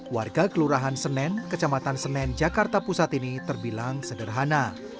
warga kelurahan senen kecamatan senen jakarta pusat ini terbilang sederhana